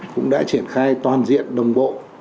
cũng đã triển khai toàn diện đồng bộ